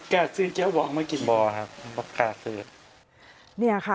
ก็เจ้ากินมะกล้าซื้อ